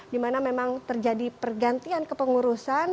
di mana memang terjadi pergantian kepengurusan